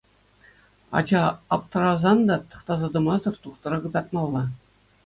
Ача аптӑрасан та тӑхтаса тӑмасӑр тухтӑра кӑтартмалла.